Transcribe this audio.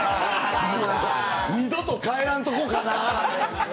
二度と帰らんとこかなあ。